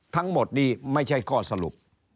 ทั้งหมดนี้ไม่ใช่ข้อสรุป